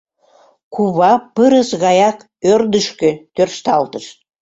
Кува пырыс гаяк ӧрдыжкӧ тӧршталтыш.